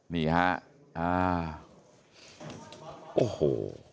นี่ฮะอ่าโอ้โห